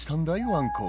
ワンコ」